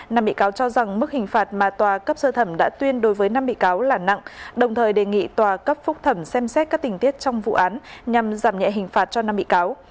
năm bị cáo cho rằng mức hình phạt mà tòa cấp sơ thẩm đã tuyên đối với năm bị cáo là nặng đồng thời đề nghị tòa cấp phúc thẩm xem xét các tình tiết trong vụ án nhằm giảm nhẹ hình phạt cho năm bị cáo